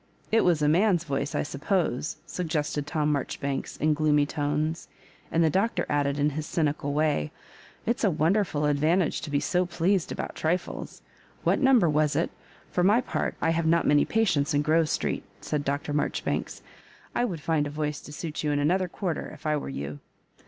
"It was a man's voice, I suppose,'^ suggested Tom Marjoribanks, in gloomy tones; and the Doctor added, in his cynical way — "It's a wonderful advantage to be so pleased about trifles. What number was it? For my part, I have not many patients in Grove Street," said Dr. Marjoribanks. " I would find a voice to suit you in another quarter, if I were you."